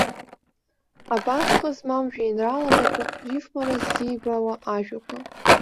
Абар, хы змам жәеинраалак аҿы рифмара ззеибауа ажәақәа.